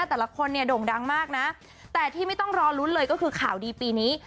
แต่ละคนเนี่ยโด่งดังมากนะแต่ที่ไม่ต้องรอลุ้นเลยก็คือข่าวดีปีนี้